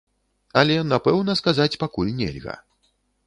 Але напэўна сказаць пакуль нельга.